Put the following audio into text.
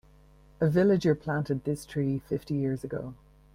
A villager planted this tree fifty years ago.